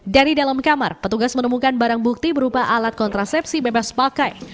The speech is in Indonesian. dari dalam kamar petugas menemukan barang bukti berupa alat kontrasepsi bebas pakai